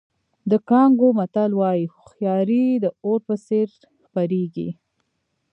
د کانګو متل وایي هوښیاري د اور په څېر خپرېږي.